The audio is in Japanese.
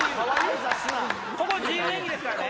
ここ自由演技ですからね。